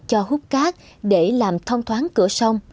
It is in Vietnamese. cho hút cát để làm thong thoáng cửa sông